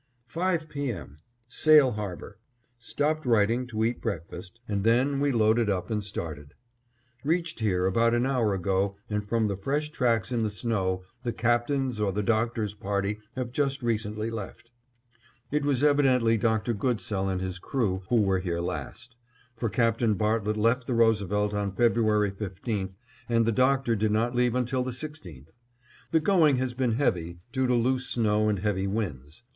Five P. M.: Sail Harbor. Stopped writing to eat breakfast, and then we loaded up and started. Reached here about an hour ago and from the fresh tracks in the snow, the Captain's or the Doctor's party have just recently left. It was evidently Doctor Goodsell and his crew who were here last; for Captain Bartlett left the Roosevelt on February 15 and the Doctor did not leave until the 16th. The going has been heavy, due to loose snow and heavy winds.